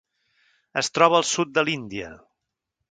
Es troba al sud de l'Índia.